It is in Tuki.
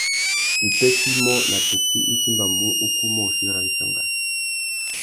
Wipêssê imô nà tukí i timbamú ukúmôchï râ wikangá.